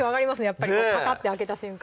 やっぱりパカッて開けた瞬間